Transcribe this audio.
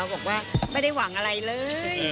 บอกว่าไม่ได้หวังอะไรเลย